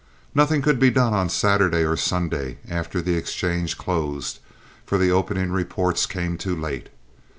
Nothing could be done on Saturday or Sunday after the exchange closed, for the opening reports came too late.